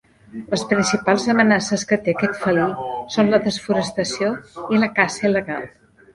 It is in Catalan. Les principals amenaces que té aquest felí són la desforestació i la caça il·legal.